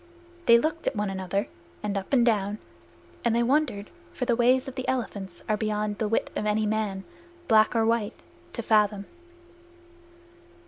They looked at one another and up and down, and they wondered. For the ways of elephants are beyond the wit of any man, black or white, to fathom.